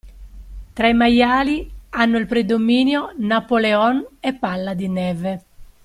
Tra i maiali hanno il predominio Napoleon e Palla di Neve.